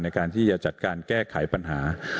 ในการที่จะจัดการแก้ไขปัญหา